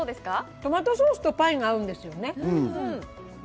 トマトソースがパイが合うんですよね。